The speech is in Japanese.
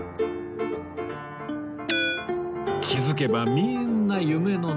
気づけばみーんな夢の中